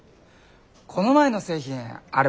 この前の製品あれ